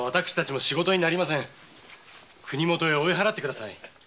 国もとへ追い払ってください。